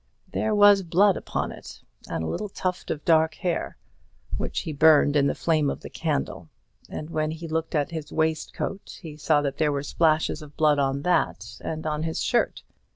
There was blood upon it, and a little tuft of dark hair, which he burned in the flame of the candle; and when he looked at his waistcoat he saw that there were splashes of blood on that and on his shirt.